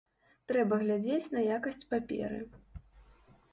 Трэба глядзець на якасць паперы.